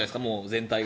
全体が。